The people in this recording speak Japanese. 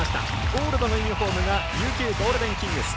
ゴールドのユニフォームが琉球ゴールデンキングス。